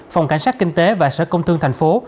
phòng cảnh sát kinh tế và sở công thương thành phố